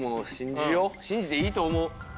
信じていいと思う。